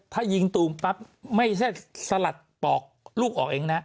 ถ้ายิงตูมปั๊บไม่ใช่สลัดปอกลูกออกเองนะ